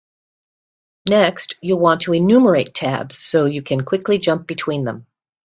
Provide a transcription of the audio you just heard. Next, you'll want to enumerate tabs so you can quickly jump between them.